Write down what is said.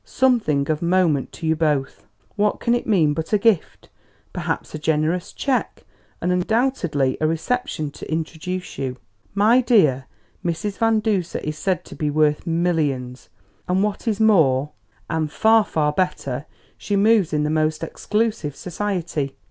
'Something of moment to you both,' what can it mean but a gift perhaps a generous cheque, and undoubtedly a reception to introduce you. My dear! Mrs. Van Duser is said to be worth millions, and what is more, and far, far better, she moves in the most exclusive society.